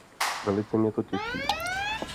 Velice mě to těší.